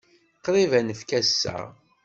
Qrib ad nfak ass-a.